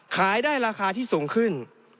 ขายได้ราคาที่สูงขึ้น